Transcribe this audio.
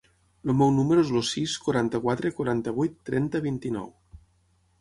El meu número es el sis, quaranta-quatre, quaranta-vuit, trenta, vint-i-nou.